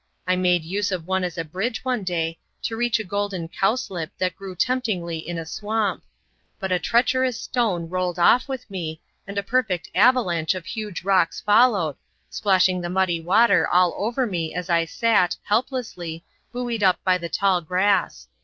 I made use of one as a bridge, one day, to reach a golden cowslip that grew temptingly in a swamp; but a treacherous stone rolled off with me, and a perfect avalanche of huge rocks followed, splashing the muddy water all over me as I sat, helplessly, buoyed up by the tall grass.